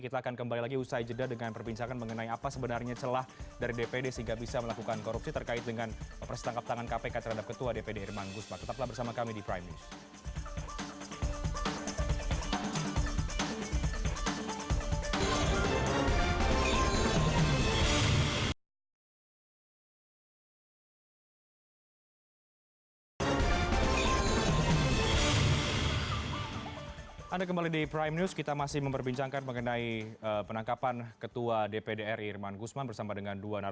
kita akan kembali lagi usai jeda dengan perbincangan mengenai apa sebenarnya celah dari dpd sehingga bisa melakukan korupsi terkait dengan persetangkap tangan kpk terhadap ketua dpd irman guzman